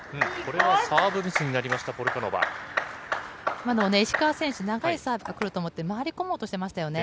今のもね、石川選手、長いサーブが来ると思って、回り込もうとしてましたよね。